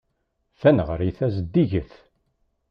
Taneɣrit-a zeddiget.